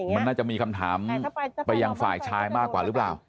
มันน่าจะมีคำถามไปยังฝ่ายชายมากกว่าหรือเปล่า